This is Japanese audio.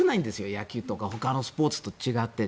野球とかほかのスポーツと違って。